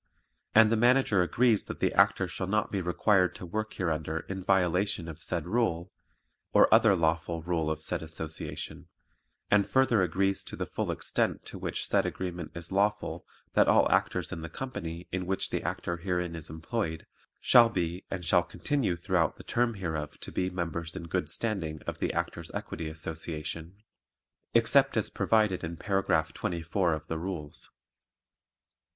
And the Manager agrees that the Actor shall not be required to work hereunder in violation of said rule or other lawful rule of said Association, and further agrees to the full extent to which said agreement is lawful that all actors in the company in which the Actor herein is employed, shall be and shall continue throughout the term hereof to be members in good standing of the Actors' Equity Association, except as provided in paragraph 24 of the Rules.